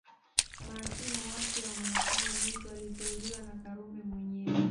Mahakimu wapya wa mahakama hizo waliteuliwa na Karume mwenyewe